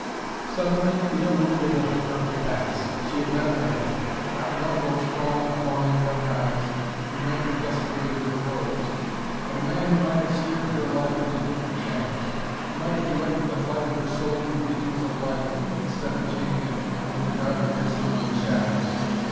Suddenly the unbelievable had come to pass. She had met a man. Not one of those crawling, fawning reptiles who nightly desecrated her groves, but a man who might have steered her life into different channels, who might have directed the flight of her soul to regions of light, instead of chaining it to the dark abyss among the shadows.